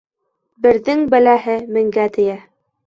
Берҙең бәләһе меңгә тейә.